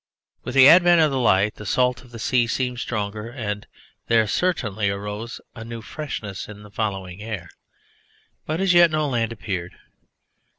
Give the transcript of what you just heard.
With the advent of the light the salt of the sea seemed stronger, and there certainly arose a new freshness in the following air; but as yet no land appeared.